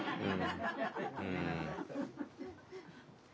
うん。